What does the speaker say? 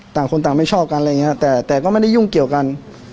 ต่างคนต่างไม่ชอบกันอะไรอย่างเงี้ยแต่แต่ก็ไม่ได้ยุ่งเกี่ยวกัน